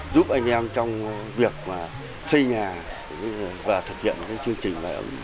giúp anh em trong việc xây nhà và thực hiện chương trình